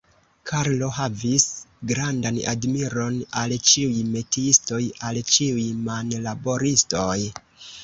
Karlo havis grandan admiron al ĉiuj metiistoj, al ĉiuj manlaboristoj.